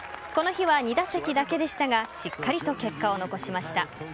この日は、２打席だけでしたがしっかりと結果を残しました。